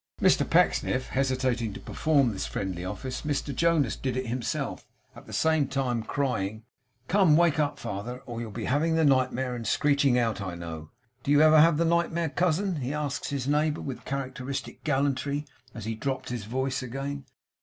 Mr Pecksniff hesitating to perform this friendly office, Mr Jonas did it himself; at the same time crying: 'Come, wake up, father, or you'll be having the nightmare, and screeching out, I know. Do you ever have the nightmare, cousin?' he asked his neighbour, with characteristic gallantry, as he dropped his voice again.